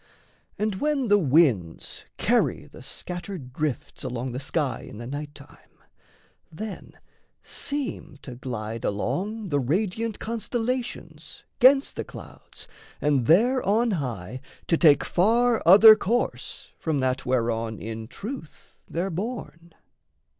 And when the winds Carry the scattered drifts along the sky In the night time, then seem to glide along The radiant constellations 'gainst the clouds And there on high to take far other course From that whereon in truth they're borne.